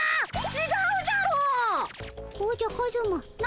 ちがうじゃろ。